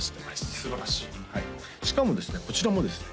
すばらしいしかもですねこちらもですね